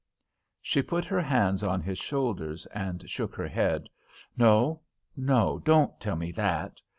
She put her hands on his shoulders and shook her head. "No, no; don't tell me that.